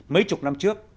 mấy chục năm trước